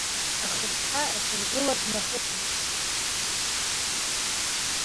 Ахыԥҳа аҵәыргыла днахыԥеит.